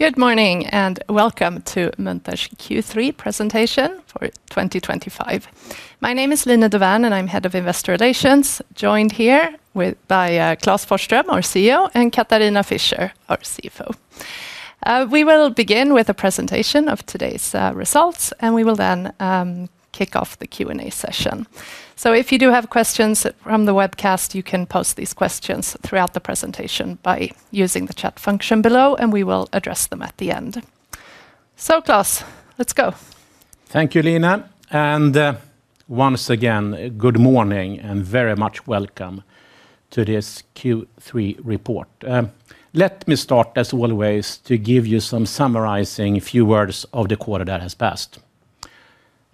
Good morning and welcome to Munters Q3 presentation for 2025. My name is Line Dovärn and I'm Head of Investor Relations, joined here by Klas Forsström, our CEO, and Katharina Fischer, our CFO. We will begin with a presentation of today's results, and we will then kick off the Q&A session. If you do have questions from the webcast, you can post these questions throughout the presentation by using the chat function below, and we will address them at the end. Klas, let's go. Thank you, Line. And once again, good morning and very much welcome to this Q3 report. Let me start, as always, to give you some summarizing few words of the quarter that has passed.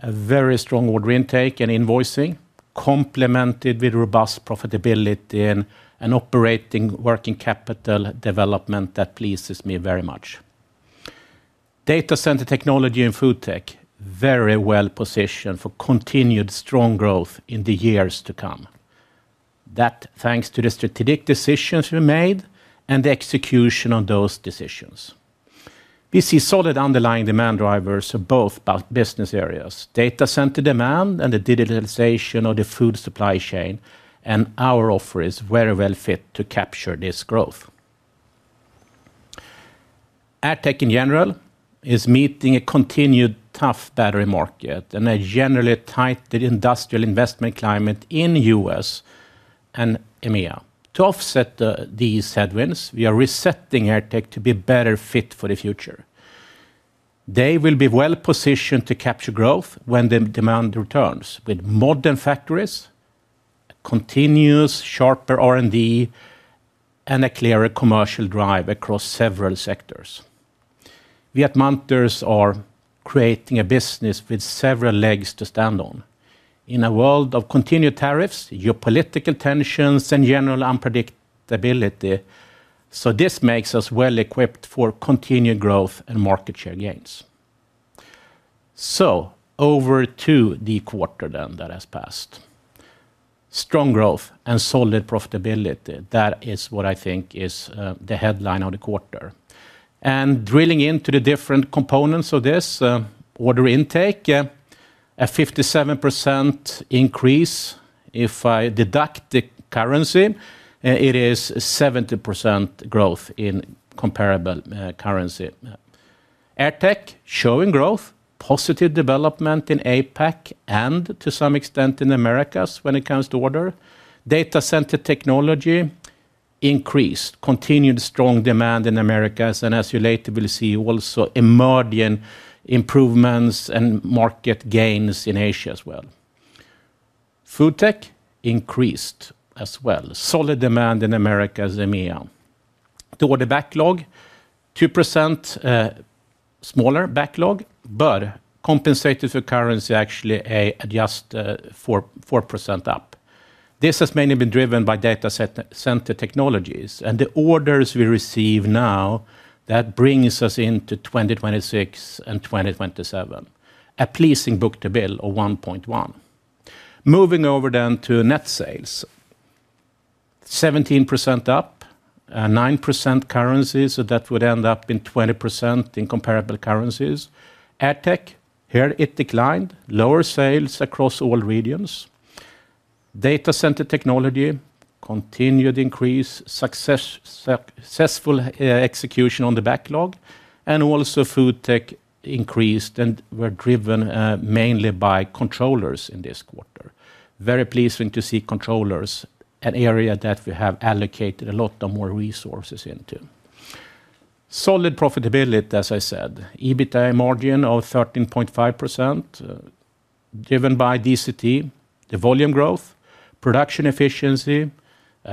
A very strong order intake and invoicing, complemented with robust profitability and operating working capital development that pleases me very much. Data Center Technologies and FoodTech are very well positioned for continued strong growth in the years to come. That thanks to the strategic decisions we made and the execution of those decisions. We see solid underlying demand drivers of both business areas: data center demand and the digitalization of the food supply chain, and our offer is very well fit to capture this growth. AdTech in general is meeting a continued tough battery market and a generally tight industrial investment climate in the U.S. and EMEA. To offset these headwinds, we are resetting AdTech to be a better fit for the future. They will be well positioned to capture growth when the demand returns with modern factories, continuous sharper R&D, and a clearer commercial drive across several sectors. We at Munters are creating a business with several legs to stand on in a world of continued tariffs, geopolitical tensions, and general unpredictability. This makes us well equipped for continued growth and market share gains. Over to the quarter that has passed. Strong growth and solid profitability, that is what I think is the headline of the quarter. Drilling into the different components of this order intake, a 57% increase. If I deduct the currency, it is a 70% growth in comparable currency. AdTech showing growth, positive development in APAC and to some extent in the Americas when it comes to order. Data Center Technologies increased, continued strong demand in the Americas, and as you later will see, also emerging improvements and market gains in Asia as well. FoodTech increased as well, solid demand in the Americas, EMEA. To order backlog, 2% smaller backlog, but compensated for currency, actually just 4% up. This has mainly been driven by Data Center Technologies and the orders we receive now. That brings us into 2026 and 2027, a pleasing book to bill of 1.1. Moving over then to net sales, 17% up, 9% currency, so that would end up in 20% in comparable currencies. AdTech, here it declined, lower sales across all regions. Data Center Technologies, continued increase, successful execution on the backlog, and also FoodTech increased and were driven mainly by controllers in this quarter. Very pleasing to see controllers, an area that we have allocated a lot more resources into. Solid profitability, as I said, EBITDA margin of 13.5%, driven by DCT, the volume growth, production efficiency,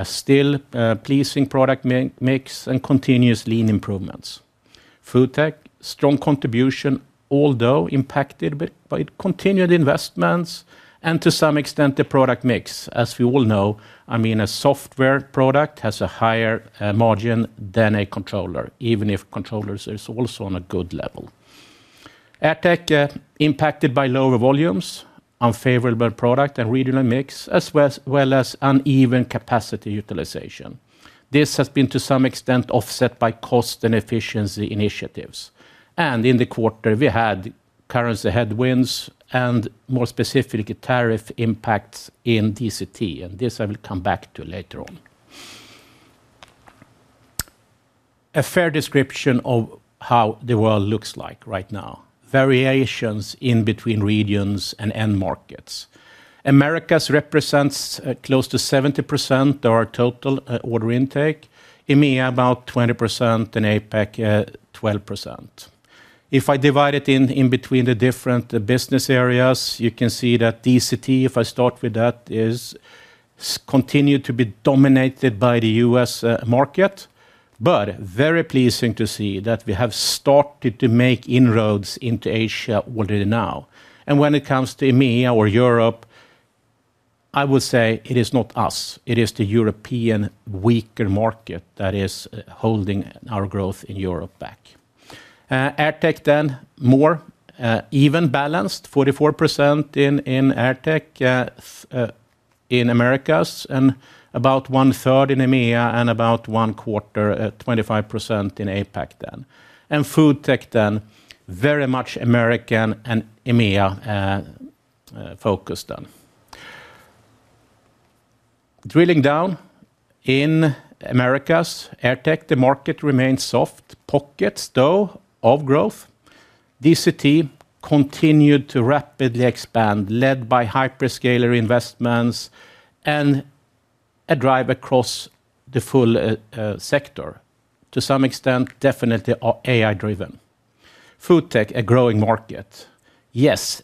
still pleasing product mix, and continuous lean improvements. FoodTech, strong contribution, although impacted by continued investments and to some extent the product mix. As we all know, a software product has a higher margin than a controller, even if controllers are also on a good level. AdTech impacted by lower volumes, unfavorable product and regional mix, as well as uneven capacity utilization. This has been to some extent offset by cost and efficiency initiatives. In the quarter, we had currency headwinds and more specifically tariff impacts in DCT, and this I will come back to later on. A fair description of how the world looks like right now, variations in between regions and end markets. Americas represents close to 70% of our total order intake, EMEA about 20%, and APAC 12%. If I divide it in between the different business areas, you can see that DCT, if I start with that, is continued to be dominated by the U.S. market, but very pleasing to see that we have started to make inroads into Asia already now. When it comes to EMEA or Europe, I will say it is not us, it is the European weaker market that is holding our growth in Europe back. AdTech then more even balanced, 44% in AdTech in Americas and about one third in EMEA and about one quarter, 25% in APAC then. FoodTech then very much American and EMEA focused then. Drilling down in Americas, AdTech, the market remains soft, pockets though of growth. DCT continued to rapidly expand, led by hyperscaler investments and a drive across the full sector, to some extent definitely AI driven. FoodTech, a growing market. Yes,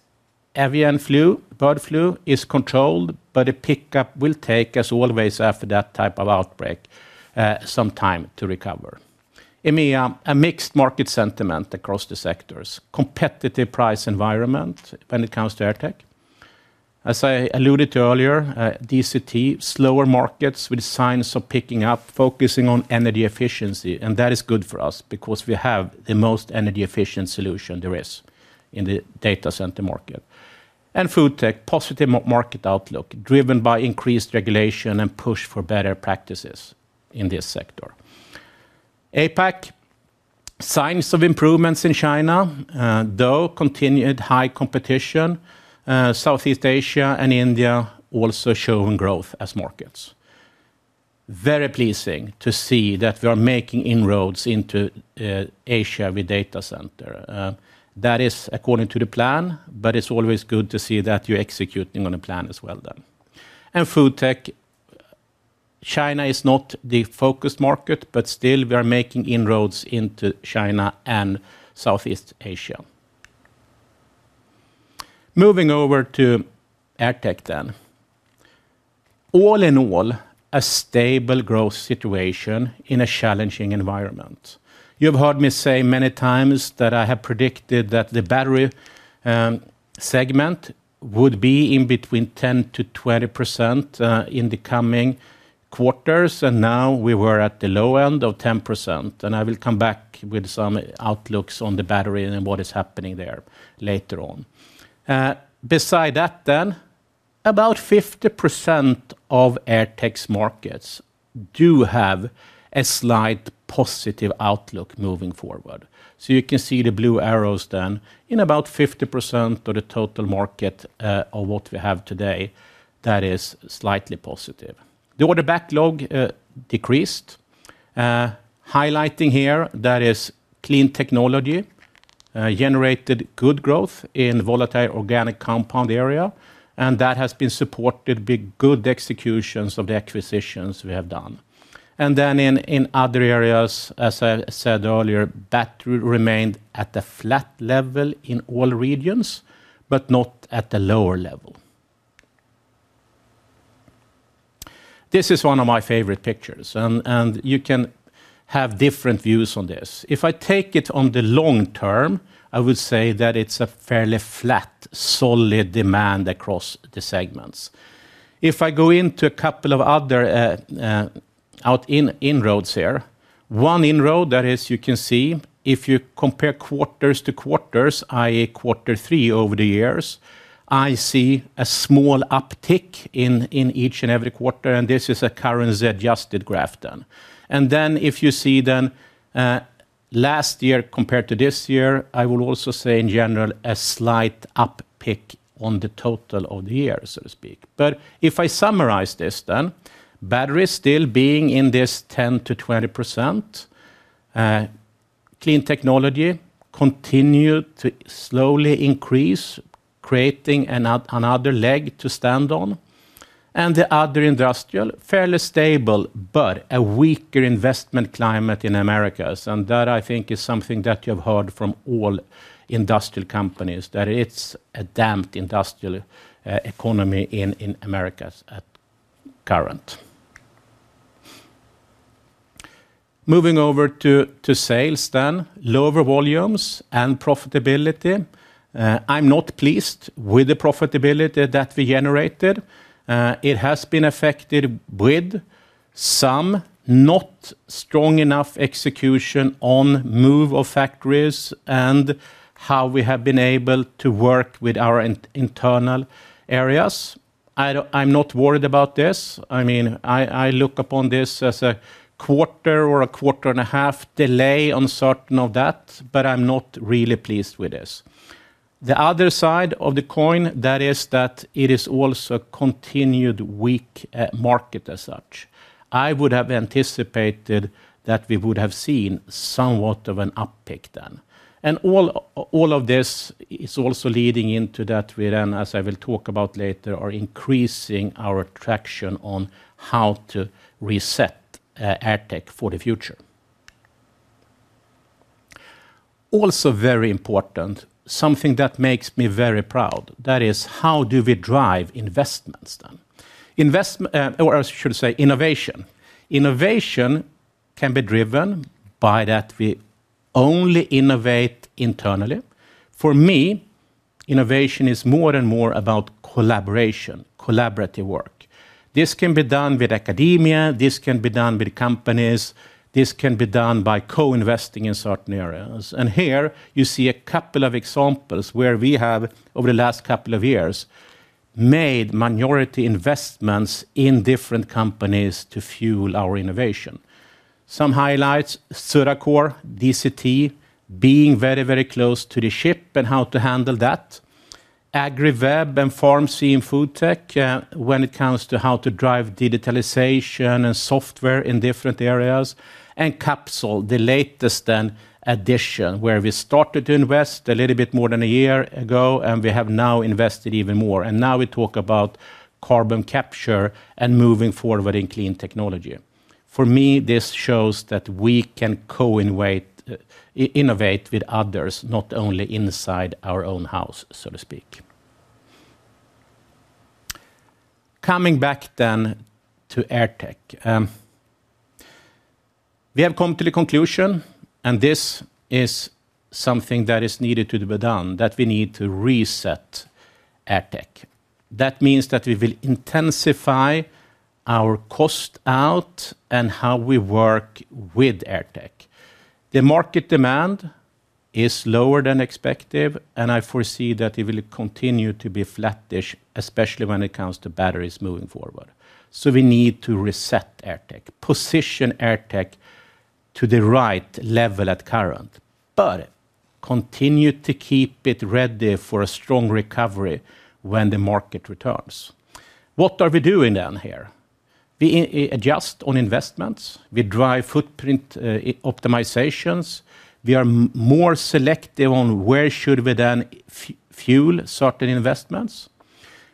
avian flu, bird flu is controlled, but a pickup will take, as always, after that type of outbreak, some time to recover. EMEA, a mixed market sentiment across the sectors, competitive price environment when it comes to AdTech. As I alluded to earlier, DCT, slower markets with signs of picking up, focusing on energy efficiency, and that is good for us because we have the most energy efficient solution there is in the data center market. FoodTech, positive market outlook, driven by increased regulation and push for better practices in this sector. APAC, signs of improvements in China, though continued high competition. Southeast Asia and India also showing growth as markets. Very pleasing to see that we are making inroads into Asia with Data Center. That is according to the plan, but it's always good to see that you're executing on the plan as well. FoodTech, China is not the focused market, but still we are making inroads into China and Southeast Asia. Moving over to AdTech. All in all, a stable growth situation in a challenging environment. You've heard me say many times that I have predicted that the battery segment would be in between 10%-20% in the coming quarters, and now we were at the low end of 10%, and I will come back with some outlooks on the battery and what is happening there later on. Beside that, about 50% of AdTech's markets do have a slight positive outlook moving forward. You can see the blue arrows in about 50% of the total market of what we have today, that is slightly positive. The order backlog decreased. Highlighting here, clean technology generated good growth in volatile organic compound area, and that has been supported by good executions of the acquisitions we have done. In other areas, as I said earlier, battery remained at the flat level in all regions, but not at the lower level. This is one of my favorite pictures, and you can have different views on this. If I take it on the long term, I would say that it's a fairly flat, solid demand across the segments. If I go into a couple of other inroads here, one inroad that is you can see if you compare quarters to quarters, i.e. quarter three over the years, I see a small uptick in each and every quarter, and this is a currency adjusted graph. If you see last year compared to this year, I will also say in general a slight uptick on the total of the year, so to speak. If I summarize this, battery still being in this 10%-20%, clean technology continued to slowly increase, creating another leg to stand on, and the other industrial fairly stable, but a weaker investment climate in Americas, and that I think is something that you've heard from all industrial companies, that it's a damped industrial economy in Americas at current. Moving over to sales, lower volumes and profitability. I'm not pleased with the profitability that we generated. It has been affected with some not strong enough execution on move of factories and how we have been able to work with our internal areas. I'm not worried about this. I look upon this as a quarter or a quarter and a half delay on certain of that, but I'm not really pleased with this. The other side of the coin is that it is also a continued weak market as such. I would have anticipated that we would have seen somewhat of an uptick then. All of this is also leading into that we then, as I will talk about later, are increasing our traction on how to reset AdTech for the future. Also very important, something that makes me very proud, that is how do we drive investments then? Or I should say innovation. Innovation can be driven by that we only innovate internally. For me, innovation is more and more about collaboration, collaborative work. This can be done with academia, this can be done with companies, this can be done by co-investing in certain areas. Here you see a couple of examples where we have, over the last couple of years, made minority investments in different companies to fuel our innovation. Some highlights, Sutter's core, DCT, being very, very close to the chip and how to handle that. AgriWebb and [Pharmacy] in FoodTech, when it comes to how to drive digitalization and software in different areas. Capsule, the latest addition, where we started to invest a little bit more than a year ago, and we have now invested even more. Now we talk about carbon capture and moving forward in clean technology. For me, this shows that we can co-innovate with others, not only inside our own house, so to speak. Coming back then to AdTech. We have come to the conclusion, and this is something that is needed to be done, that we need to reset AdTech. That means that we will intensify our cost out and how we work with AdTech. The market demand is lower than expected, and I foresee that it will continue to be flattish, especially when it comes to batteries moving forward. We need to reset AdTech, position AdTech to the right level at current, but continue to keep it ready for a strong recovery when the market returns. What are we doing then here? We adjust on investments, we drive footprint optimizations, we are more selective on where should we then fuel certain investments.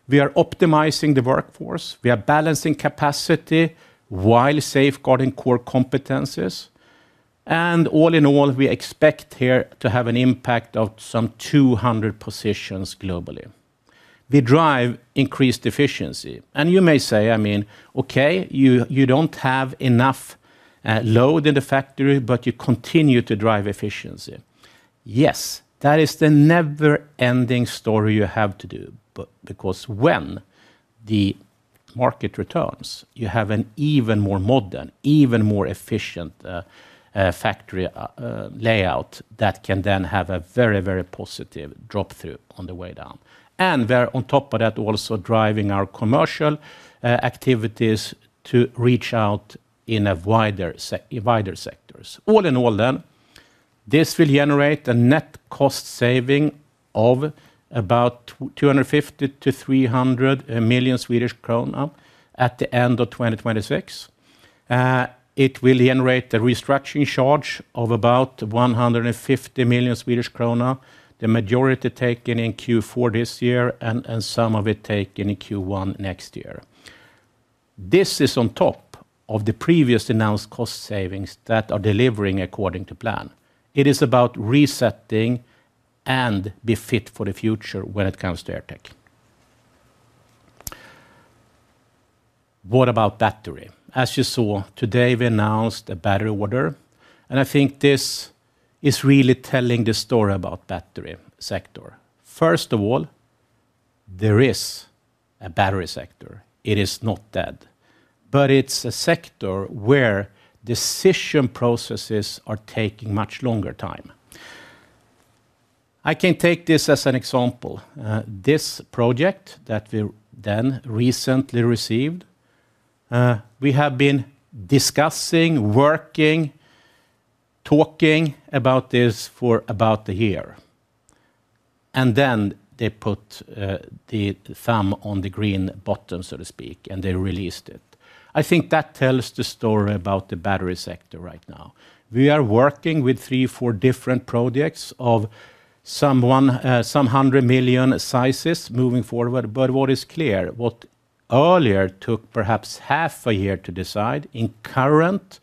We are optimizing the workforce, we are balancing capacity while safeguarding core competencies. All in all, we expect here to have an impact of some 200 positions globally. We drive increased efficiency, and you may say, I mean, okay, you don't have enough load in the factory, but you continue to drive efficiency. Yes, that is the never-ending story you have to do, because when the market returns, you have an even more modern, even more efficient factory layout that can then have a very, very positive drop-through on the way down. We are on top of that also driving our commercial activities to reach out in wider sectors. All in all, this will generate a net cost saving of about 250 million to 300 million Swedish kronor at the end of 2026. It will generate a restructuring charge of about 150 million Swedish krona, the majority taken in Q4 this year and some of it taken in Q1 next year. This is on top of the previously announced cost savings that are delivering according to plan. It is about resetting and being fit for the future when it comes to AdTech. What about battery? As you saw, today we announced a battery order, and I think this is really telling the story about the battery sector. First of all, there is a battery sector. It is not dead, but it's a sector where decision processes are taking much longer time. I can take this as an example. This project that we then recently received, we have been discussing, working, talking about this for about a year. They put the thumb on the green button, so to speak, and they released it. I think that tells the story about the battery sector right now. We are working with three or four different projects of some hundred million sizes moving forward, but what is clear, what earlier took perhaps half a year to decide, in the current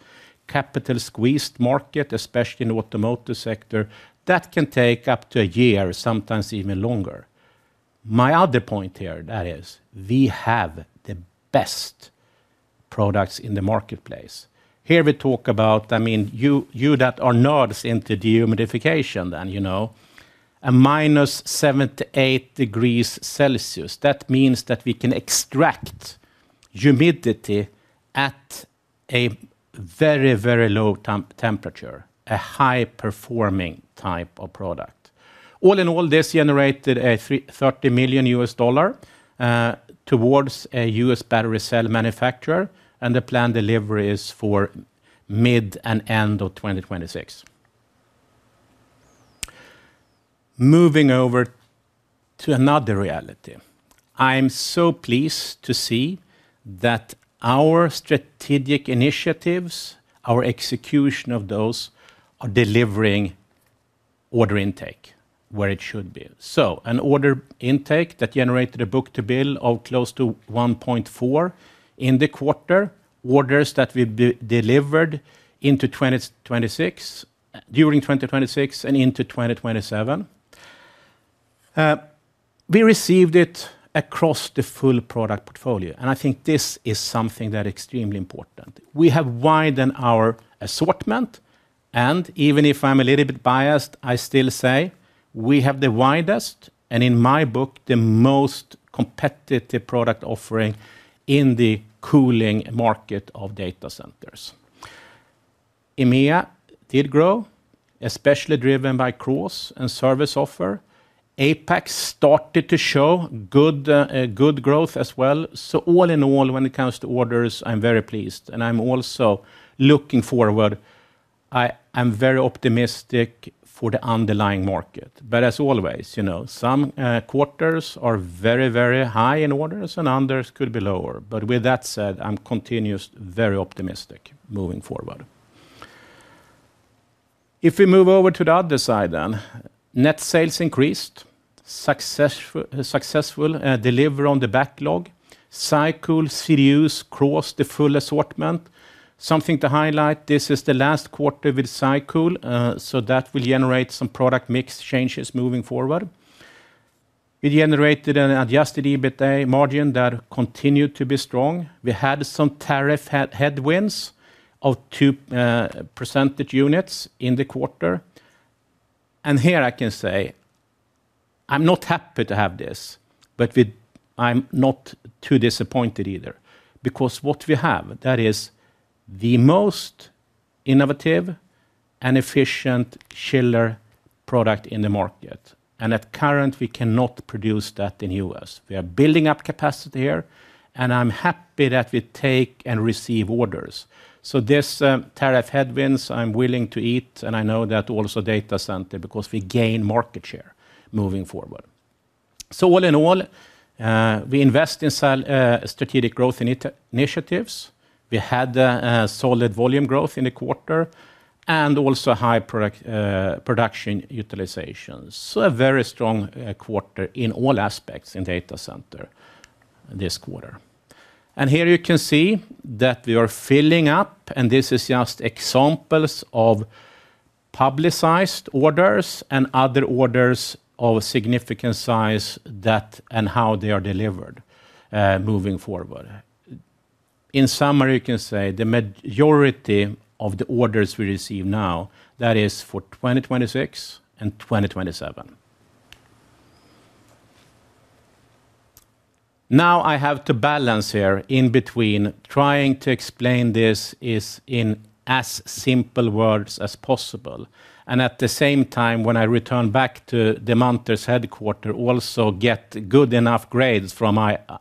capital-squeezed market, especially in the automotive sector, that can take up to a year, sometimes even longer. My other point here is that we have the best products in the marketplace. Here we talk about, I mean, you that are nerds into dehumidification then, you know, a -78 degrees Celsius. That means that we can extract humidity at a very, very low temperature, a high-performing type of product. All in all, this generated a $30 million U.S. dollar order towards a US battery cell manufacturer, and the planned delivery is for mid and end of 2026. Moving over to another reality, I'm so pleased to see that our strategic initiatives, our execution of those, are delivering order intake where it should be. An order intake that generated a book to bill of close to 1.4 in the quarter, orders that we delivered into 2026, during 2026 and into 2027. We received it across the full product portfolio, and I think this is something that is extremely important. We have widened our assortment, and even if I'm a little bit biased, I still say we have the widest, and in my book, the most competitive product offering in the cooling market of data centers. EMEA did grow, especially driven by CROs and service offer. APAC started to show good growth as well. All in all, when it comes to orders, I'm very pleased, and I'm also looking forward. I'm very optimistic for the underlying market. As always, you know, some quarters are very, very high in orders, and others could be lower. With that said, I'm continuously very optimistic moving forward. If we move over to the other side then, net sales increased, successful delivery on the backlog. Cycle, Sirius crossed the full assortment. Something to highlight, this is the last quarter with Cycle, so that will generate some product mix changes moving forward. We generated an adjusted EBITDA margin that continued to be strong. We had some tariff headwinds of 2 percentage units in the quarter. Here I can say, I'm not happy to have this, but I'm not too disappointed either, because what we have, that is the most innovative and efficient chiller product in the market. At current, we cannot produce that in the U.S. We are building up capacity here, and I'm happy that we take and receive orders. These tariff headwinds, I'm willing to eat, and I know that also data center because we gain market share moving forward. All in all, we invest in strategic growth initiatives. We had a solid volume growth in the quarter, and also high production utilization. A very strong quarter in all aspects in data center this quarter. Here you can see that we are filling up, and this is just examples of publicized orders and other orders of significant size and how they are delivered moving forward. In summary, you can say the majority of the orders we receive now, that is for 2026 and 2027. Now I have to balance here in between trying to explain this in as simple words as possible, and at the same time, when I return back to the Munters headquarter, also get good enough grades from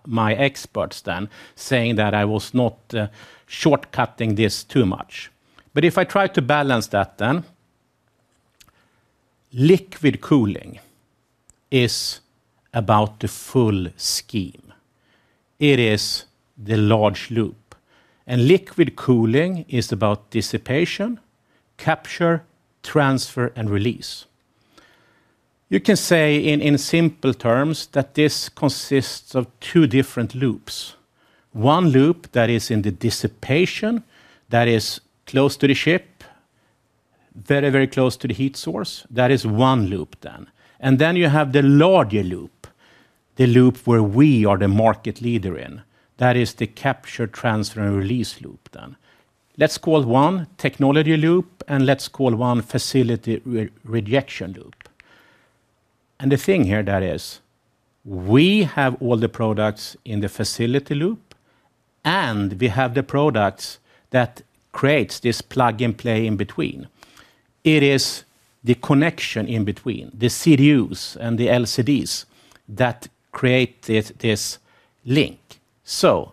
my experts then, saying that I was not shortcutting this too much. If I try to balance that then, liquid cooling is about the full scheme. It is the large loop. Liquid cooling is about dissipation, capture, transfer, and release. You can say in simple terms that this consists of two different loops. One loop is in the dissipation, that is close to the chip, very, very close to the heat source, that is one loop then. You have the larger loop, the loop where we are the market leader in, that is the capture, transfer, and release loop then. Let's call one technology loop, and let's call one facility rejection loop. The thing here is, we have all the products in the facility loop, and we have the products that create this plug and play in between. It is the connection in between, the CDUs and the LCDs that create this link.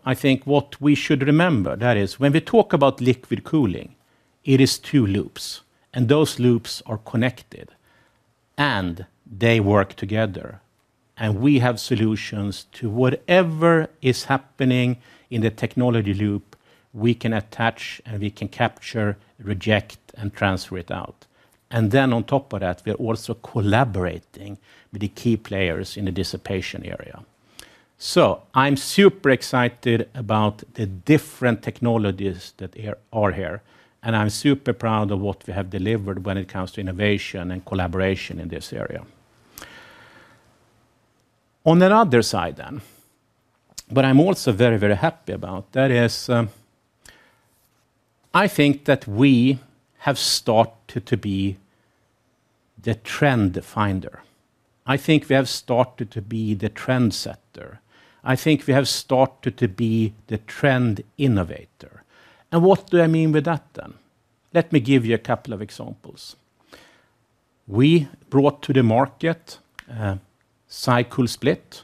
I think what we should remember is, when we talk about liquid cooling, it is two loops, and those loops are connected, and they work together. We have solutions to whatever is happening in the technology loop. We can attach, and we can capture, reject, and transfer it out. On top of that, we are also collaborating with the key players in the dissipation area. I'm super excited about the different technologies that are here, and I'm super proud of what we have delivered when it comes to innovation and collaboration in this area. On the other side, what I'm also very, very happy about is, I think that we have started to be the trend finder. I think we have started to be the trendsetter. I think we have started to be the trend innovator. What do I mean with that then? Let me give you a couple of examples. We brought to the market Cycle Split,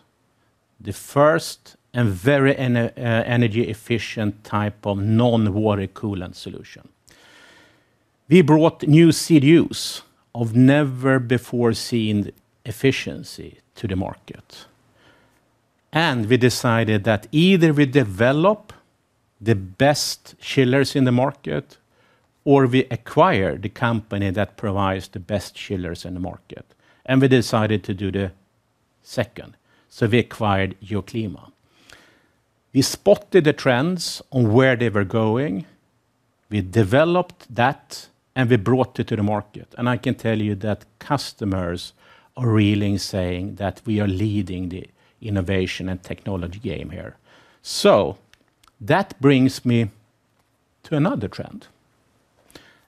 the first and very energy efficient type of non-water coolant solution. We brought new CDUs of never before seen efficiency to the market. We decided that either we develop the best chillers in the market, or we acquire the company that provides the best chillers in the market. We decided to do the second. We acquired Euroclima. We spotted the trends on where they were going. We developed that, and we brought it to the market. I can tell you that customers are really saying that we are leading the innovation and technology game here. That brings me to another trend.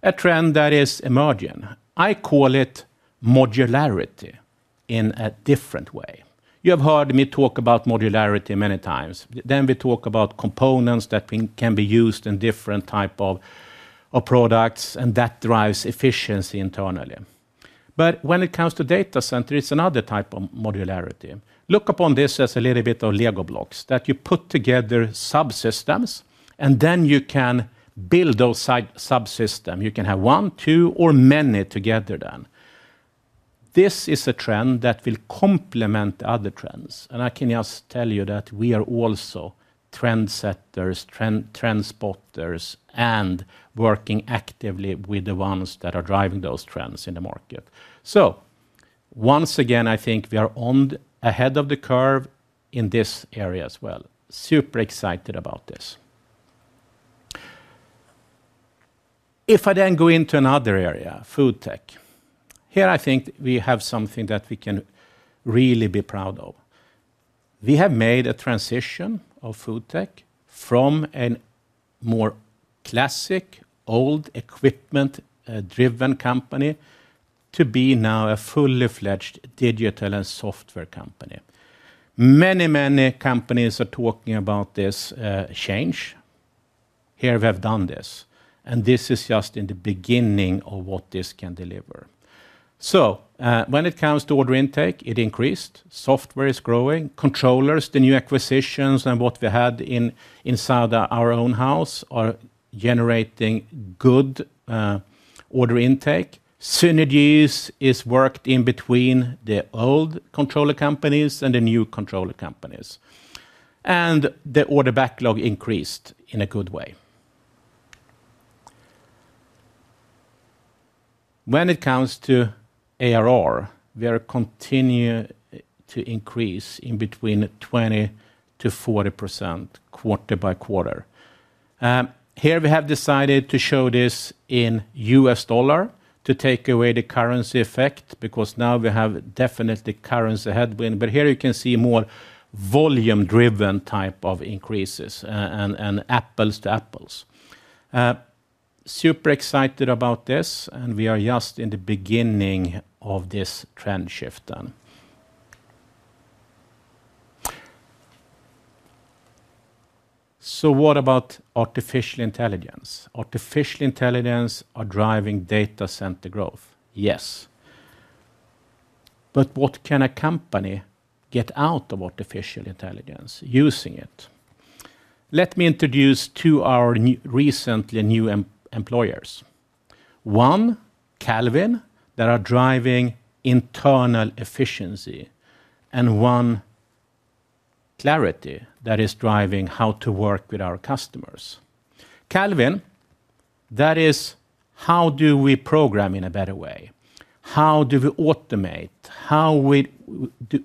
A trend that is emerging. I call it modularity in a different way. You have heard me talk about modularity many times. We talk about components that can be used in different types of products, and that drives efficiency internally. When it comes to data center, it's another type of modularity. Look upon this as a little bit of Lego blocks that you put together as subsystems, and then you can build those subsystems. You can have one, two, or many together. This is a trend that will complement other trends. I can just tell you that we are also trendsetters, trend spotters, and working actively with the ones that are driving those trends in the market. I think we are ahead of the curve in this area as well. Super excited about this. If I go into another area, FoodTech. Here I think we have something that we can really be proud of. We have made a transition of FoodTech from a more classic, old equipment-driven company to be now a fully fledged digital and software company. Many, many companies are talking about this change. Here we have done this. This is just in the beginning of what this can deliver. When it comes to order intake, it increased. Software is growing. Controllers, the new acquisitions and what we had inside our own house are generating good order intake. Synergies are worked in between the old controller companies and the new controller companies. The order backlog increased in a good way. When it comes to ARR, we are continuing to increase in between 20% to 40% quarter by quarter. We have decided to show this in US dollar to take away the currency effect because now we have definitely currency headwind. Here you can see more volume-driven type of increases and apples to apples. Super excited about this, and we are just in the beginning of this trend shift. What about artificial intelligence? Artificial intelligence is driving data center growth. Yes. What can a company get out of artificial intelligence using it? Let me introduce two of our recently new employers. One, Calvin, that is driving internal efficiency, and one, Clarity, that is driving how to work with our customers. Calvin, that is how do we program in a better way? How do we automate? How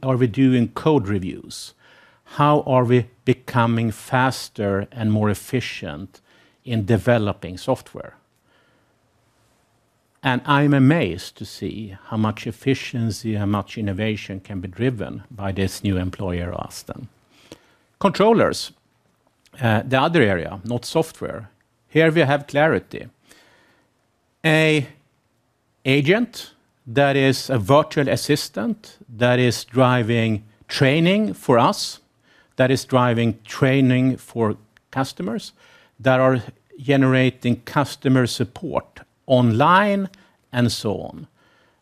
are we doing code reviews? How are we becoming faster and more efficient in developing software? I'm amazed to see how much efficiency, how much innovation can be driven by this new employer of ours. Controllers, the other area, not software. Here we have Clarity. An agent that is a virtual assistant that is driving training for us, that is driving training for customers, that is generating customer support online, and so on.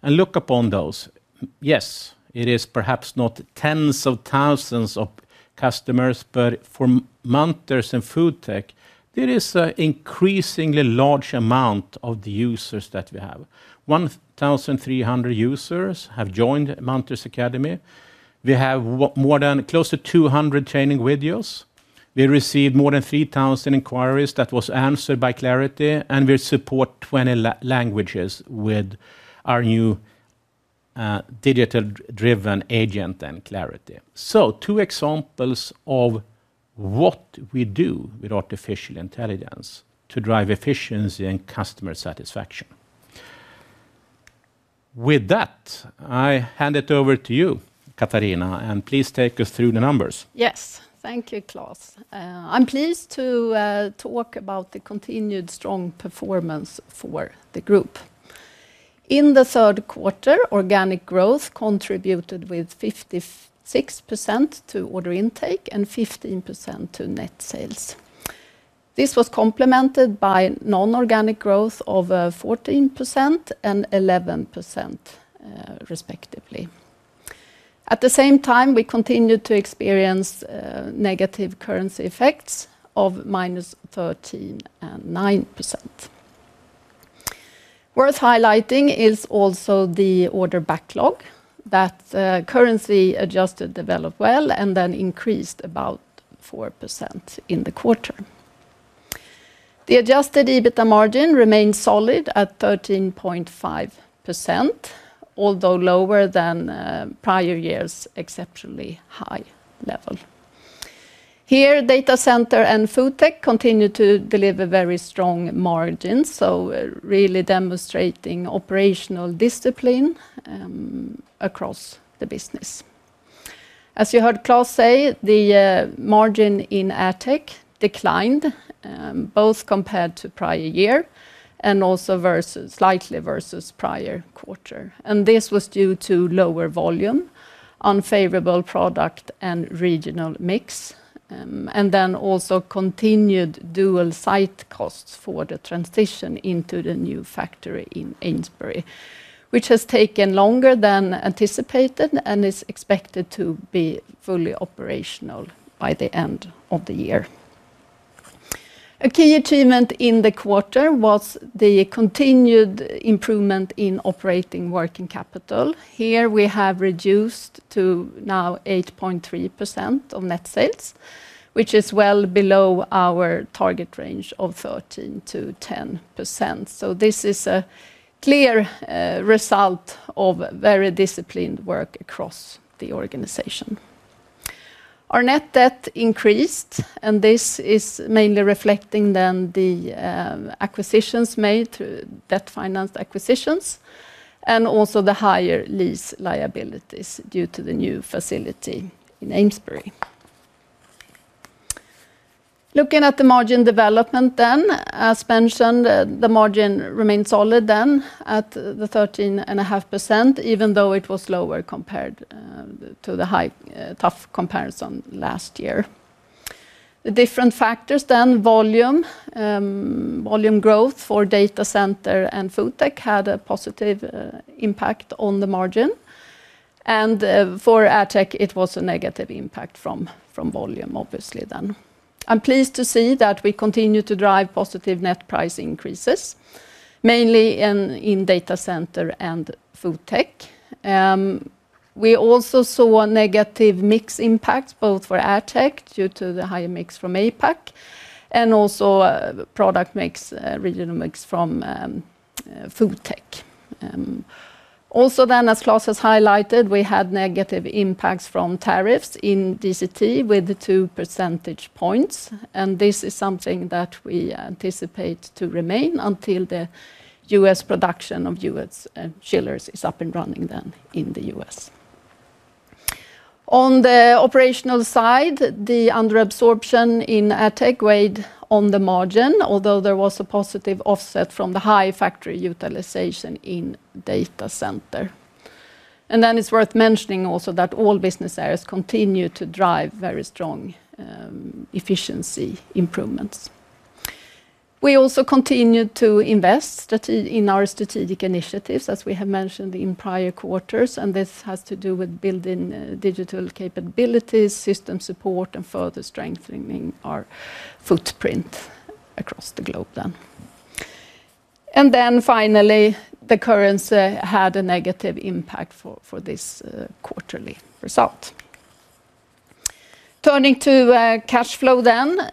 Look upon those. Yes, it is perhaps not tens of thousands of customers, but for Munters and FoodTech, there is an increasingly large amount of the users that we have. 1,300 users have joined Munters Academy. We have more than close to 200 training videos. We received more than 3,000 inquiries that were answered by Clarity, and we support 20 languages with our new digital-driven agent and Clarity. Two examples of what we do with artificial intelligence to drive efficiency and customer satisfaction. With that, I hand it over to you, Katharina, and please take us through the numbers. Yes, thank you, Klas. I'm pleased to talk about the continued strong performance for the group. In the third quarter, organic growth contributed with 56% to order intake and 15% to net sales. This was complemented by non-organic growth of 14% and 11%, respectively. At the same time, we continued to experience negative currency effects of minus 13% and 9%. Worth highlighting is also the order backlog that, currency adjusted, developed well and then increased about 4% in the quarter. The adjusted EBITDA margin remains solid at 13.5%, although lower than prior year's exceptionally high level. Here, Data Center Technologies and FoodTech continue to deliver very strong margins, really demonstrating operational discipline across the business. As you heard Klas say, the margin in AdTech declined, both compared to prior year and also slightly versus prior quarter. This was due to lower volume, unfavorable product and regional mix, and also continued dual site costs for the transition into the new factory in Amesbury, which has taken longer than anticipated and is expected to be fully operational by the end of the year. A key achievement in the quarter was the continued improvement in operating working capital. Here, we have reduced to now 8.3% of net sales, which is well below our target range of 13%-10%. This is a clear result of very disciplined work across the organization. Our net debt increased, and this is mainly reflecting the acquisitions made through debt-financed acquisitions and also the higher lease liabilities due to the new facility in Amesbury. Looking at the margin development, as mentioned, the margin remains solid at 13.5%, even though it was lower compared to the high, tough comparison last year. The different factors then, volume, volume growth for Data Center and FoodTech had a positive impact on the margin, and for AdTech, it was a negative impact from volume, obviously. I'm pleased to see that we continue to drive positive net price increases, mainly in Data Center and FoodTech. We also saw negative mix impacts both for AdTech due to the higher mix from APAC and also product mix, regional mix from FoodTech. Also, as Klas has highlighted, we had negative impacts from tariffs in DCT with two percentage points, and this is something that we anticipate to remain until the U.S. production of U.S. chillers is up and running in the U.S. On the operational side, the under absorption in AdTech weighed on the margin, although there was a positive offset from the high factory utilization in Data Center. It is worth mentioning also that all business areas continue to drive very strong efficiency improvements. We also continue to invest in our strategic initiatives, as we have mentioned in prior quarters, and this has to do with building digital capabilities, system support, and further strengthening our footprint across the globe. Finally, the currency had a negative impact for this quarterly result. Turning to cash flow,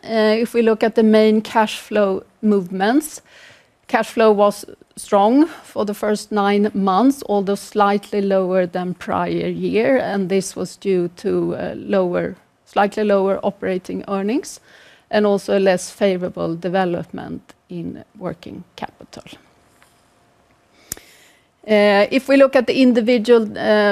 if we look at the main cash flow movements, cash flow was strong for the first nine months, although slightly lower than prior year, and this was due to slightly lower operating earnings and also less favorable development in working capital. If we look at the individual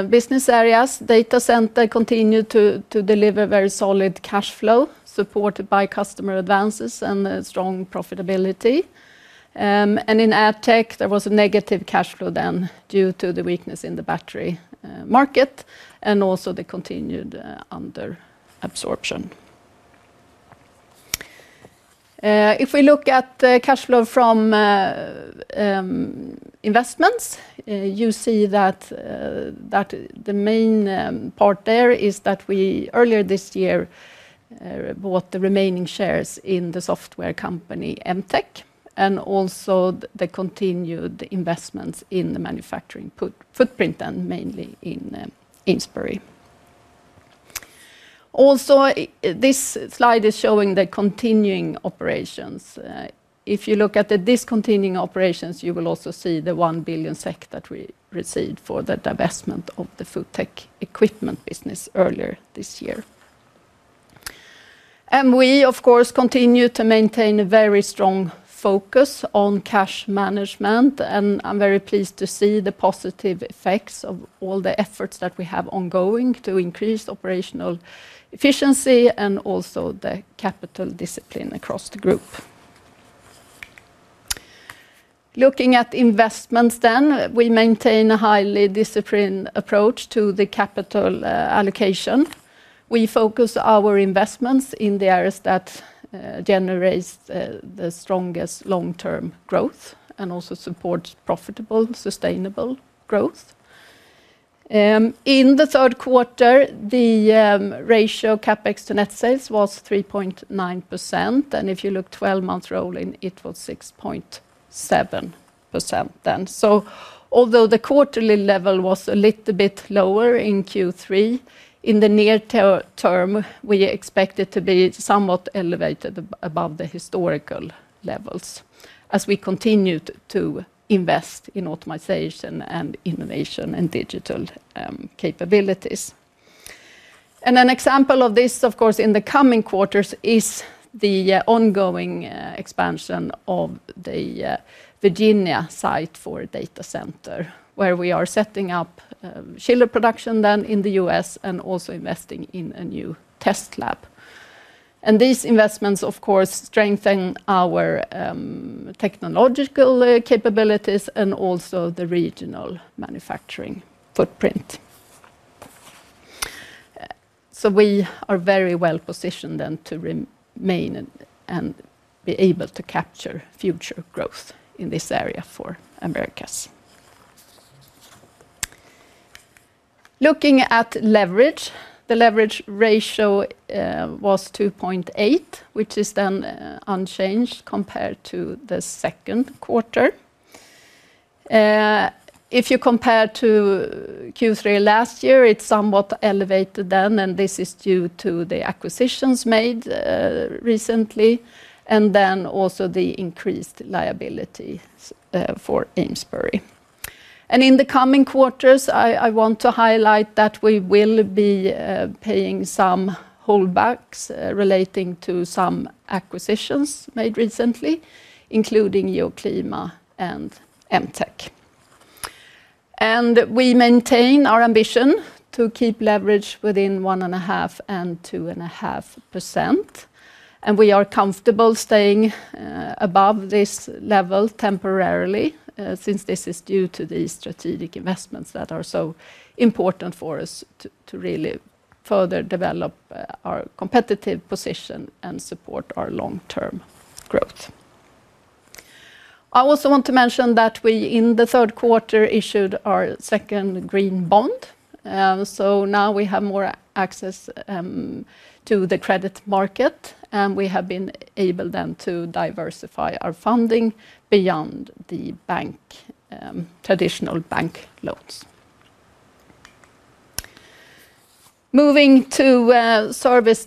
business areas, Data Center continued to deliver very solid cash flow, supported by customer advances and strong profitability. In AdTech, there was a negative cash flow due to the weakness in the battery market and also the continued under absorption. If we look at cash flow from investments, you see that the main part there is that we earlier this year bought the remaining shares in the software company MTech and also the continued investments in the manufacturing footprint, mainly in Amesbury. This slide is showing the continuing operations. If you look at the discontinuing operations, you will also see the 1 billion SEK that we received for the divestment of the FoodTech equipment business earlier this year. We, of course, continue to maintain a very strong focus on cash management, and I'm very pleased to see the positive effects of all the efforts that we have ongoing to increase operational efficiency and also the capital discipline across the group. Looking at investments, we maintain a highly disciplined approach to the capital allocation. We focus our investments in the areas that generate the strongest long-term growth and also support profitable, sustainable growth. In the third quarter, the ratio CapEx to net sales was 3.9%, and if you look 12 months rolling, it was 6.7%. Although the quarterly level was a little bit lower in Q3, in the near term, we expect it to be somewhat elevated above the historical levels as we continue to invest in optimization and innovation and digital capabilities. An example of this, of course, in the coming quarters is the ongoing expansion of the Virginia site for a data center where we are setting up chiller production in the U.S. and also investing in a new test lab. These investments, of course, strengthen our technological capabilities and also the regional manufacturing footprint. We are very well positioned to remain and be able to capture future growth in this area for Americas. Looking at leverage, the leverage ratio was 2.8, which is unchanged compared to the second quarter. If you compare to Q3 last year, it's somewhat elevated, and this is due to the acquisitions made recently and also the increased liability for Amesbury. In the coming quarters, I want to highlight that we will be paying some holdbacks relating to some acquisitions made recently, including Euroclima and MTech. We maintain our ambition to keep leverage within 1.5% and 2.5%. We are comfortable staying above this level temporarily since this is due to the strategic investments that are so important for us to really further develop our competitive position and support our long-term growth. I also want to mention that we, in the third quarter, issued our second green bond. Now we have more access to the credit market, and we have been able to diversify our funding beyond traditional bank loans. Moving to service,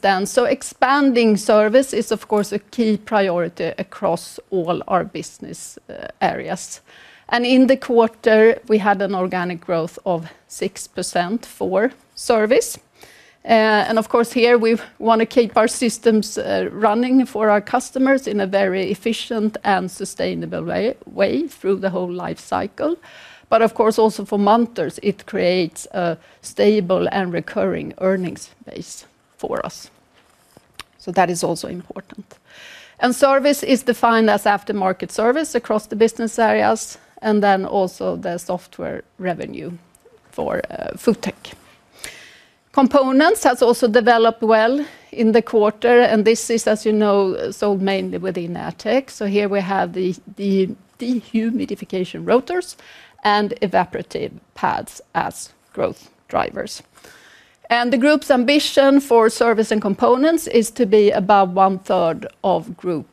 expanding service is a key priority across all our business areas. In the quarter, we had an organic growth of 6% for service. Here we want to keep our systems running for our customers in a very efficient and sustainable way through the whole life cycle. For Munters, it creates a stable and recurring earnings base for us. That is also important. Service is defined as aftermarket service across the business areas, and also the software revenue for FoodTech. Components have also developed well in the quarter, and this is, as you know, sold mainly within AdTech. Here we have the dehumidification rotors and evaporative pads as growth drivers. The group's ambition for service and components is to be about one third of group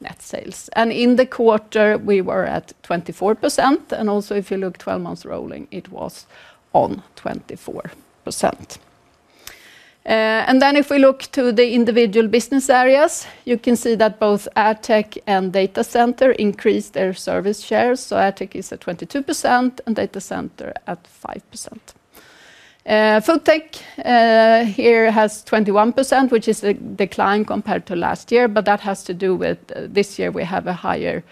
net sales. In the quarter, we were at 24%, and also if you look 12 months rolling, it was 24%. If we look to the individual business areas, you can see that both AdTech and Data Center increased their service shares. AdTech is at 22% and Data Center at 5%. FoodTech here has 21%, which is a decline compared to last year, but that has to do with this year we have a higher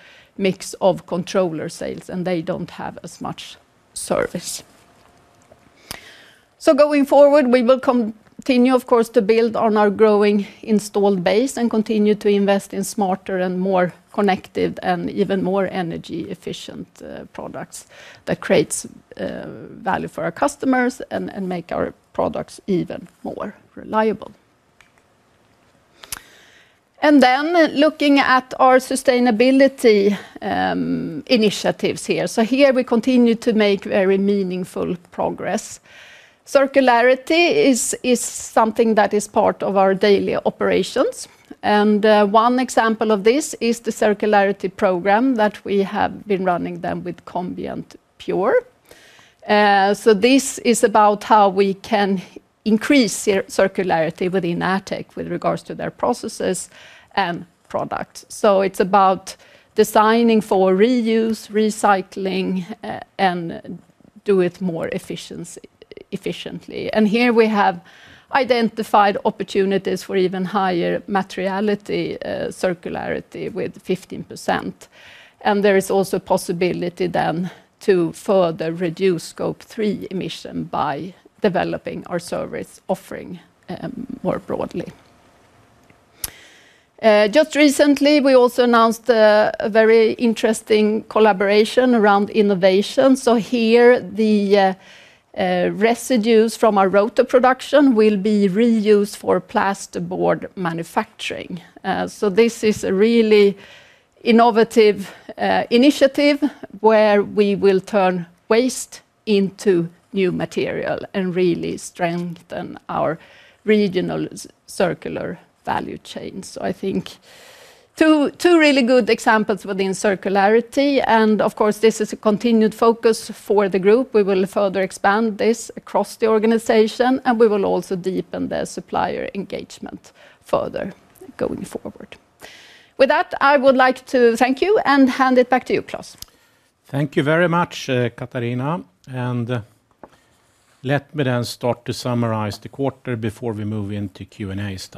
mix of controller sales, and they don't have as much service. Going forward, we will continue, of course, to build on our growing installed base and continue to invest in smarter and more connected and even more energy efficient products that create value for our customers and make our products even more reliable. Looking at our sustainability initiatives here, we continue to make very meaningful progress. Circularity is something that is part of our daily operations. One example of this is the circularity program that we have been running with Combient Pure. This is about how we can increase circularity within AdTech with regards to their processes and products. It's about designing for reuse, recycling, and doing it more efficiently. We have identified opportunities for even higher materiality circularity with 15%. There is also a possibility to further reduce scope three emission by developing our service offering more broadly. Just recently, we also announced a very interesting collaboration around innovation. The residues from our rotor production will be reused for plaster board manufacturing. This is a really innovative initiative where we will turn waste into new material and really strengthen our regional circular value chain. I think these are two really good examples within circularity. This is a continued focus for the group. We will further expand this across the organization, and we will also deepen the supplier engagement further going forward. With that, I would like to thank you and hand it back to you, Klas. Thank you very much, Katharina. Let me then start to summarize the quarter before we move into Q&As.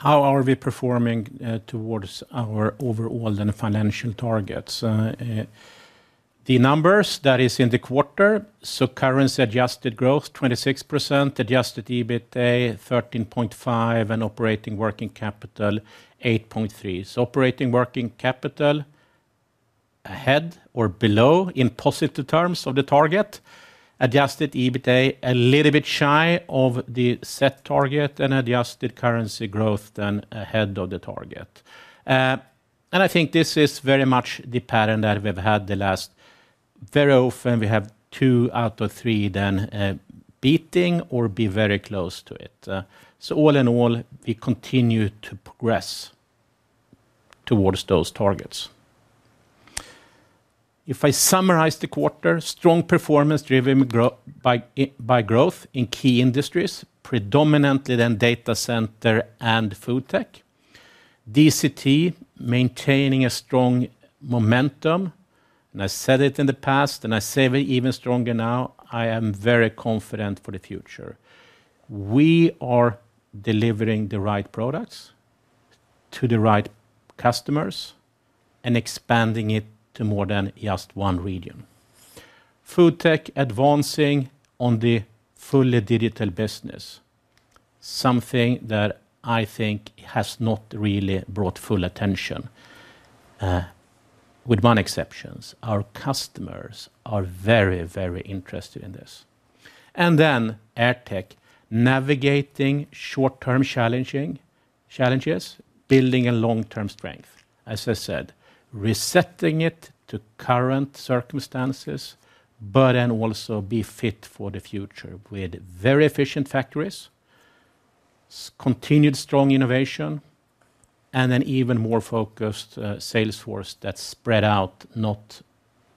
How are we performing towards our overall financial targets? The numbers that are in the quarter, so currency adjusted growth 26%, adjusted EBITDA 13.5%, and operating working capital 8.3%. Operating working capital ahead or below in positive terms of the target, adjusted EBITDA a little bit shy of the set target, and adjusted currency growth ahead of the target. I think this is very much the pattern that we've had the last very often. We have two out of three then beating or be very close to it. All in all, we continue to progress towards those targets. If I summarize the quarter, strong performance driven by growth in key industries, predominantly then data center and FoodTech. DCT maintaining a strong momentum, and I said it in the past, and I say it even stronger now, I am very confident for the future. We are delivering the right products to the right customers and expanding it to more than just one region. FoodTech advancing on the fully digital business, something that I think has not really brought full attention, with one exception. Our customers are very, very interested in this. AdTech navigating short-term challenges, building a long-term strength. As I said, resetting it to current circumstances, but then also be fit for the future with very efficient factories, continued strong innovation, and an even more focused sales force that's spread out not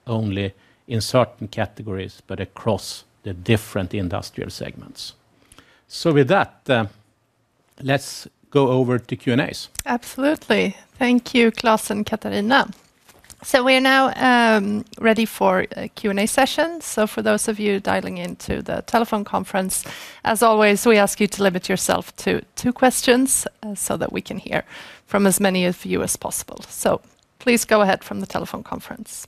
only in certain categories, but across the different industrial segments. With that, let's go over to Q&As. Absolutely. Thank you, Klas and Katharina. We are now ready for a Q&A session. For those of you dialing into the telephone conference, as always, we ask you to limit yourself to two questions so that we can hear from as many of you as possible. Please go ahead from the telephone conference.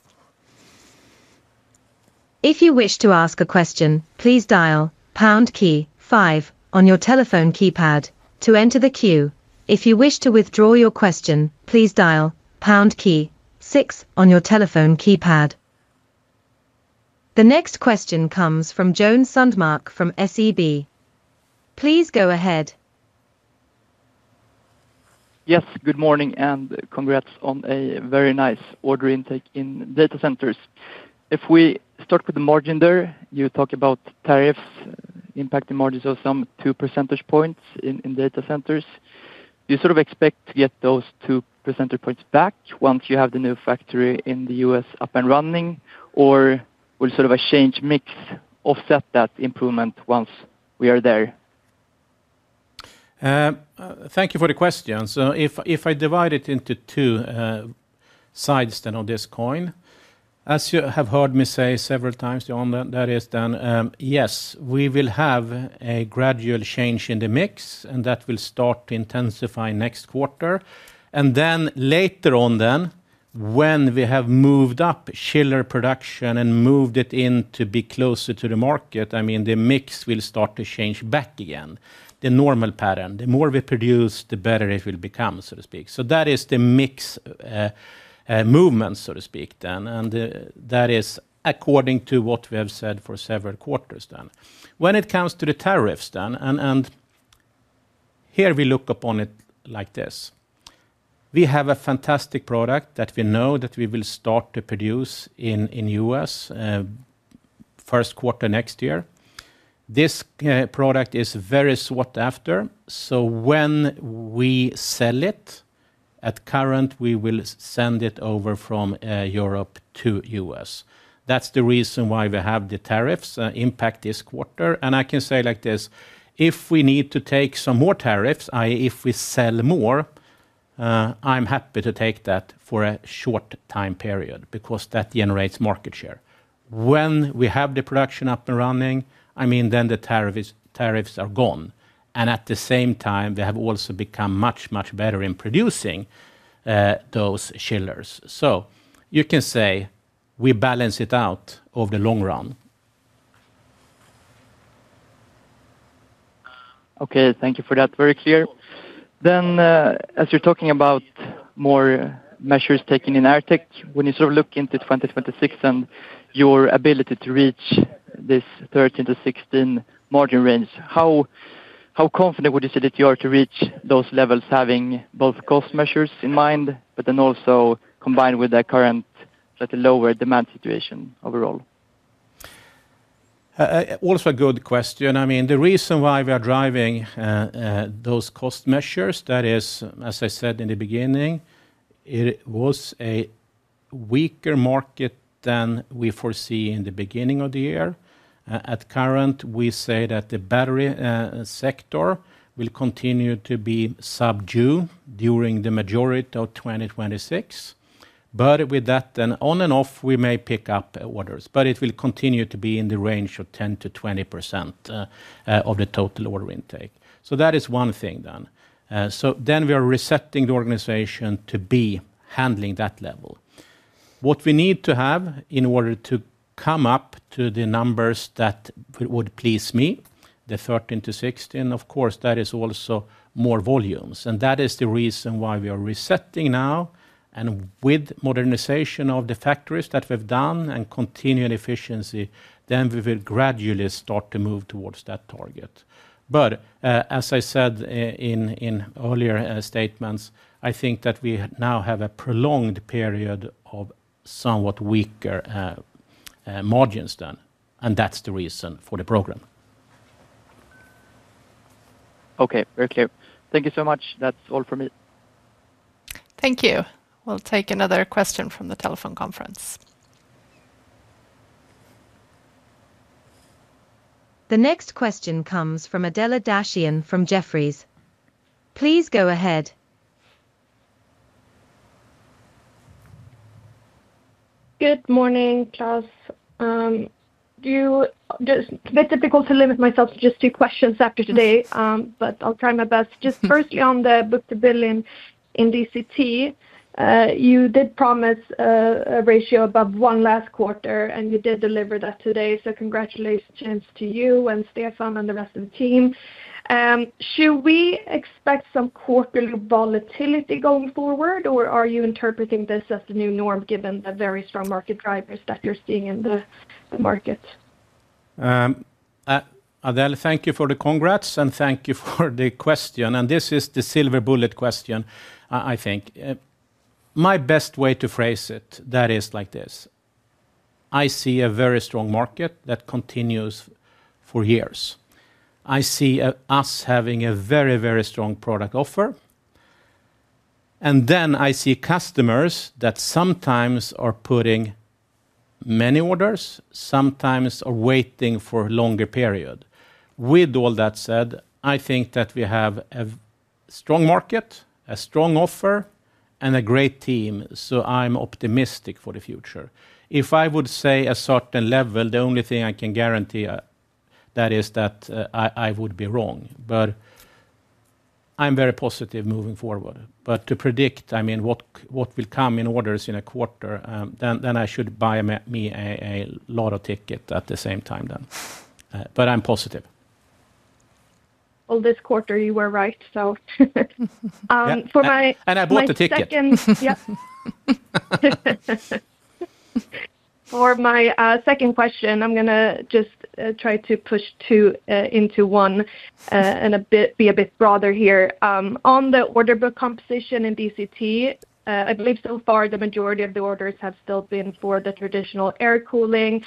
If you wish to ask a question, please dial pound key five on your telephone keypad to enter the queue. If you wish to withdraw your question, please dial pound key six on your telephone keypad. The next question comes from Joen Sundmark from SEB. Please go ahead. Yes, good morning and congrats on a very nice order intake in data centers. If we start with the margin there, you talk about tariffs impacting margins of some 2% in data centers. Do you sort of expect to get those 2% back once you have the new factory in the U.S. up and running, or will sort of a change mix offset that improvement once we are there? Thank you for the question. If I divide it into two sides of this coin, as you have heard me say several times, yes, we will have a gradual change in the mix, and that will start to intensify next quarter. Later on, when we have moved up chiller production and moved it in to be closer to the market, the mix will start to change back again. The normal pattern is the more we produce, the better it will become, so to speak. That is the mix movement, so to speak, and that is according to what we have said for several quarters. When it comes to the tariffs, we look upon it like this. We have a fantastic product that we know we will start to produce in the U.S. first quarter next year. This product is very sought after. When we sell it at current, we will send it over from Europe to the U.S. That's the reason why we have the tariffs impact this quarter. I can say if we need to take some more tariffs, i.e., if we sell more, I'm happy to take that for a short time period because that generates market share. When we have the production up and running, the tariffs are gone. At the same time, they have also become much, much better in producing those chillers. You can say we balance it out over the long run. Okay, thank you for that. Very clear. As you're talking about more measures taken in AdTech, when you sort of look into 2026 and your ability to reach this 13%-16% margin range, how confident would you say that you are to reach those levels having both cost measures in mind, but also combined with the current slightly lower demand situation overall? Also a good question. The reason why we are driving those cost measures is, as I said in the beginning, it was a weaker market than we foresaw in the beginning of the year. At current, we say that the battery sector will continue to be subdued during the majority of 2026. With that, on and off, we may pick up orders, but it will continue to be in the range of 10%-20% of the total order intake. That is one thing. We are resetting the organization to be handling that level. What we need to have in order to come up to the numbers that would please me, the 13%-16%, of course, that is also more volumes. That is the reason why we are resetting now. With modernization of the factories that we've done and continued efficiency, we will gradually start to move towards that target. As I said in earlier statements, I think that we now have a prolonged period of somewhat weaker margins. That's the reason for the program. Okay, very clear. Thank you so much. That's all for me. Thank you. We'll take another question from the telephone conference. The next question comes from Adela Dashian from Jefferies. Please go ahead. Good morning, Klas. It's a bit difficult to limit myself to just two questions after today, but I'll try my best. Firstly, on the book to bill in DCT, you did promise a ratio above one last quarter, and you did deliver that today. Congratulations to you and Stefan and the rest of the team. Should we expect some quarterly volatility going forward, or are you interpreting this as the new norm given the very strong market drivers that you're seeing in the market? Adela, thank you for the congrats, and thank you for the question. This is the silver bullet question, I think. My best way to phrase it is like this. I see a very strong market that continues for years. I see us having a very, very strong product offer. I see customers that sometimes are putting many orders, sometimes are waiting for a longer period. With all that said, I think that we have a strong market, a strong offer, and a great team. I'm optimistic for the future. If I would say a certain level, the only thing I can guarantee is that I would be wrong. I'm very positive moving forward. To predict what will come in orders in a quarter, I should buy me a lotto ticket at the same time then. I'm positive. This quarter you were right. I bought the ticket. For my second question, I'm going to just try to push two into one and be a bit broader here. On the order book composition in DCT, I believe so far the majority of the orders have still been for the traditional air cooling.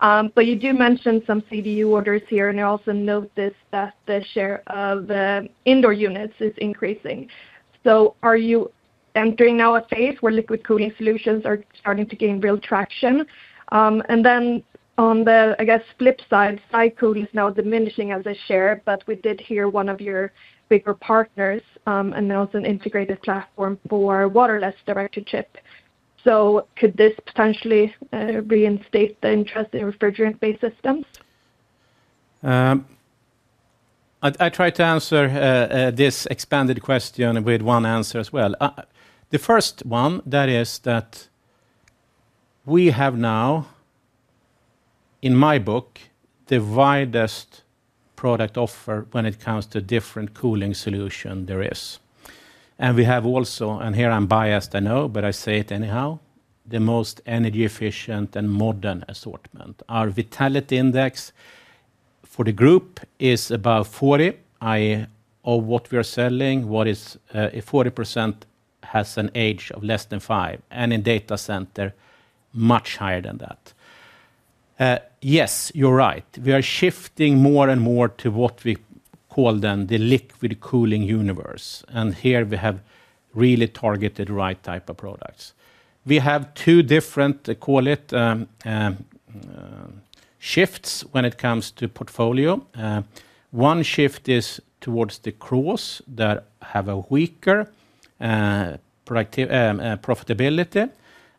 You do mention some CDU orders here, and I also noticed that the share of indoor units is increasing. Are you entering now a phase where liquid cooling solutions are starting to gain real traction? On the flip side, Cycoon is now diminishing as a share, but we did hear one of your bigger partners announce an integrated platform for waterless directed chip. Could this potentially reinstate the interest in refrigerant-based systems? I tried to answer this expanded question with one answer as well. The first one, that is that we have now, in my book, the widest product offer when it comes to different cooling solutions there is. We have also, and here I'm biased, I know, but I say it anyhow, the most energy efficient and modern assortment. Our vitality index for the group is about 40%, i.e. of what we are selling, 40% has an age of less than five, and in Data Center, much higher than that. Yes, you're right. We are shifting more and more to what we call then the liquid cooling universe. Here we have really targeted the right type of products. We have two different, call it, shifts when it comes to portfolio. One shift is towards the CROs that have a weaker profitability.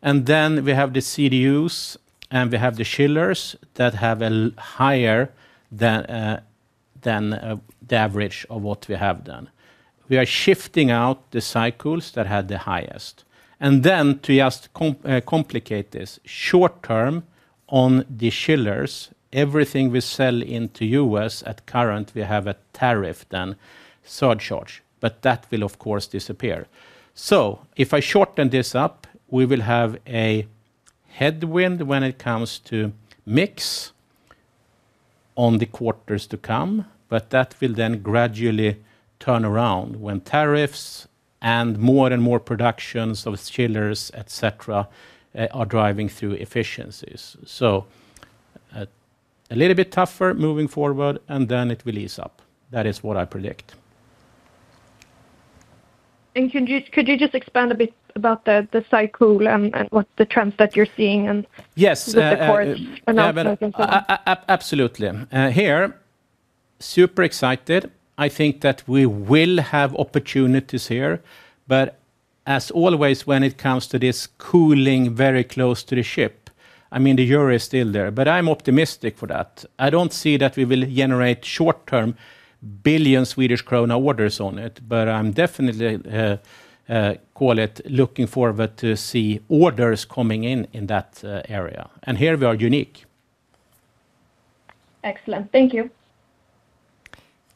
Then we have the CDUs, and we have the chillers that have a higher than the average of what we have done. We are shifting out the cycles that had the highest. To just complicate this, short term on the chillers, everything we sell into the U.S. at current, we have a tariff then, surcharge. That will, of course, disappear. If I shorten this up, we will have a headwind when it comes to mix on the quarters to come. That will then gradually turn around when tariffs and more and more productions of chillers, et cetera, are driving through efficiencies. A little bit tougher moving forward, and then it will ease up. That is what I predict. Could you just expand a bit about the Cycoon and what the trends that you're seeing in the quarter announcement? Absolutely. Super excited. I think that we will have opportunities here. As always, when it comes to this cooling very close to the ship, I mean, the euro is still there. I'm optimistic for that. I don't see that we will generate short term billion Swedish krona orders on it. I'm definitely, call it, looking forward to see orders coming in in that area. Here we are unique. Excellent. Thank you.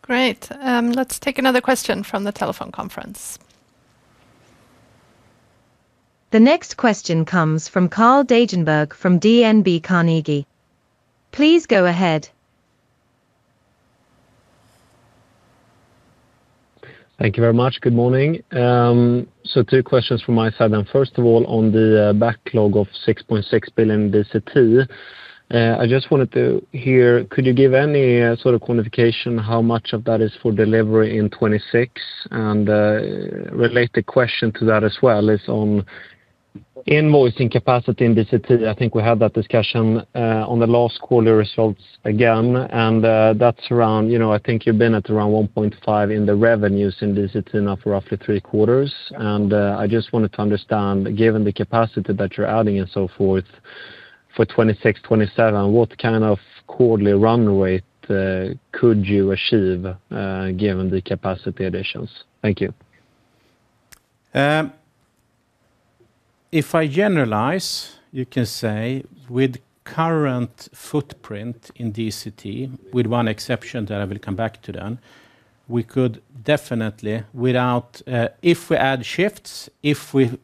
Great. Let's take another question from the telephone conference. The next question comes from Karl Hedberg from DNB Carnegie. Please go ahead. Thank you very much. Good morning. Two questions from my side. First of all, on the backlog of 6.6 billion in DCT, I just wanted to hear, could you give any sort of quantification how much of that is for delivery in 2026? A related question to that as well is on invoicing capacity in DCT. I think we had that discussion on the last quarter results again. That's around, you know, I think you've been at around 1.5 billion in the revenues in DCT now for roughly three quarters. I just wanted to understand, given the capacity that you're adding and so forth for 2026, 2027, what kind of quarterly run rate could you achieve given the capacity additions? Thank you. If I generalize, you can say with current footprint in DCT, with one exception that I will come back to, we could definitely, if we add shifts, if we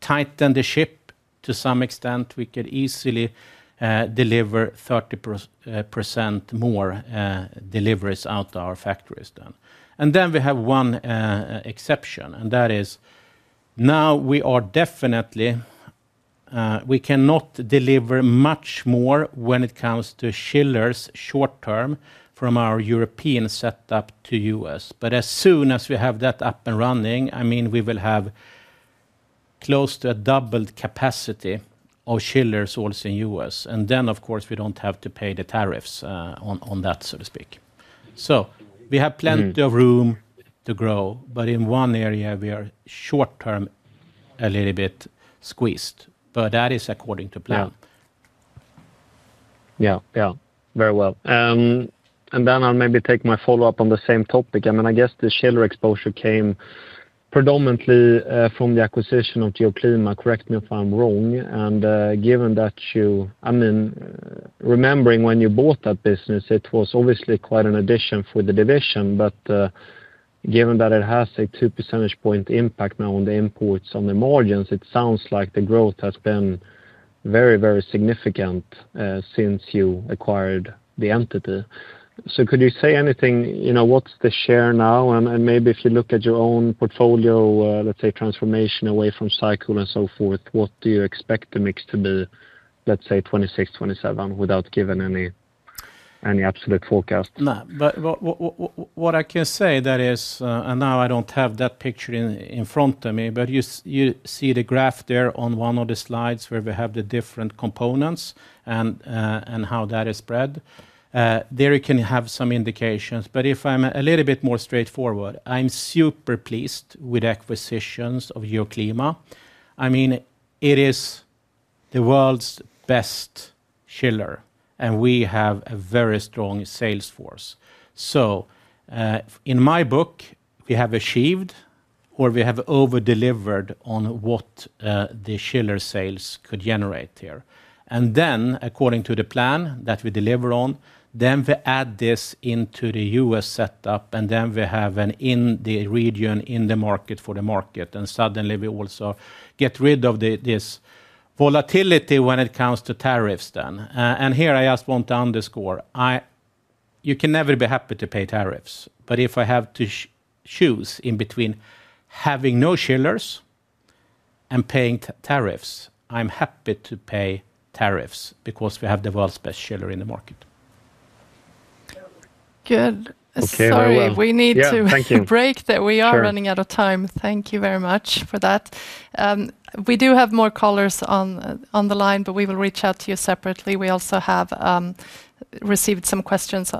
tighten the ship to some extent, we could easily deliver 30% more deliveries out of our factories. We have one exception, and that is now we are definitely, we cannot deliver much more when it comes to chillers short term from our European setup to the U.S. As soon as we have that up and running, we will have close to a doubled capacity of chillers also in the U.S. Of course, we don't have to pay the tariffs on that, so to speak. We have plenty of room to grow, but in one area, we are short term a little bit squeezed. That is according to plan. Yeah, very well. I'll maybe take my follow-up on the same topic. I guess the chiller exposure came predominantly from the acquisition of Euroclima. Correct me if I'm wrong. Given that you, remembering when you bought that business, it was obviously quite an addition for the division. Given that it has a 2% impact now on the imports on the margins, it sounds like the growth has been very, very significant since you acquired the entity. Could you say anything, what's the share now? If you look at your own portfolio, let's say transformation away from Cycoon and so forth, what do you expect the mix to be, let's say 2026, 2027, without giving any absolute forecast? What I can say is, and now I don't have that picture in front of me, but you see the graph there on one of the slides where we have the different components and how that is spread. There you can have some indications. If I'm a little bit more straightforward, I'm super pleased with acquisitions of Euroclima. I mean, it is the world's best chiller, and we have a very strong sales force. In my book, we have achieved or we have over-delivered on what the chiller sales could generate here. According to the plan that we deliver on, we add this into the U.S. setup, and then we have an in the region in the market for the market. Suddenly, we also get rid of this volatility when it comes to tariffs. Here I just want to underscore, you can never be happy to pay tariffs. If I have to choose in between having no chillers and paying tariffs, I'm happy to pay tariffs because we have the world's best chiller in the market. Good. Sorry, we need to break there. We are running out of time. Thank you very much for that. We do have more callers on the line, but we will reach out to you separately. We also have received some questions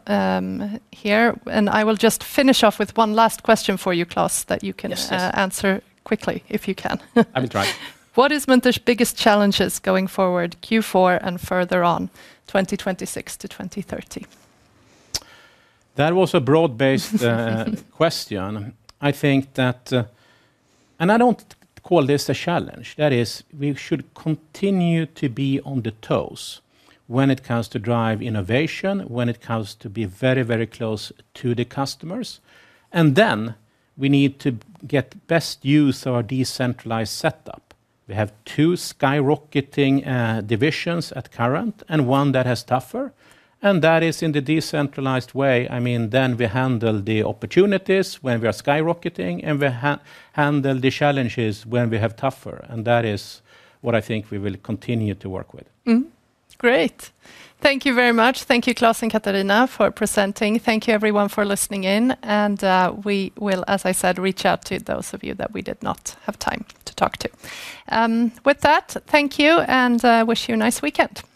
here. I will just finish off with one last question for you, Klas, that you can answer quickly if you can. I will try. What is Munters' biggest challenges going forward, Q4 and further on, 2026-2030? That was a broad-based question. I think that, and I don't call this a challenge, that is we should continue to be on the toes when it comes to drive innovation, when it comes to be very, very close to the customers. We need to get best use of our decentralized setup. We have two skyrocketing divisions at current and one that has tougher. That is in the decentralized way. I mean, we handle the opportunities when we are skyrocketing and we handle the challenges when we have tougher. That is what I think we will continue to work with. Great. Thank you very much. Thank you, Klas and Katharina, for presenting. Thank you, everyone, for listening in. We will, as I said, reach out to those of you that we did not have time to talk to. With that, thank you and wish you a nice weekend. Thank you.